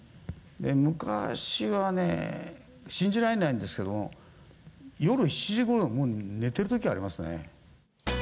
昔はね、信じられないんですけど、夜７時ごろ、もう、寝てるときありましたね。